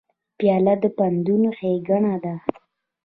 پیاله د پندونو ښیګڼه ده.